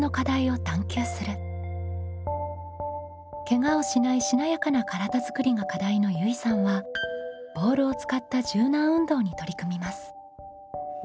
「ケガをしないしなやかな体づくり」が課題のゆいさんはボールを使った柔軟運動に取り組みます。